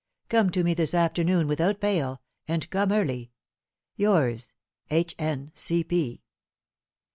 Come to me this afternoon without fail, and come early. Yours, "H.N.